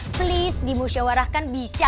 please dimusyawarahkan bisa kan